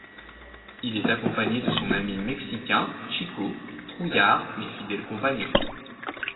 Il est accompagné de son ami mexicain Chico, trouillard mais fidèle compagnon.